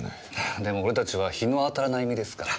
でも俺たちは日の当たらない身ですから。